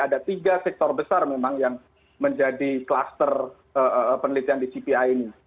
ada tiga sektor besar memang yang menjadi kluster penelitian di cpi ini